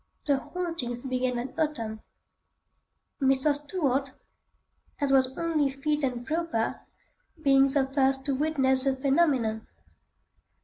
The hauntings began that autumn. Mr. Stuart, as was only fit and proper, being the first to witness the phenomenon.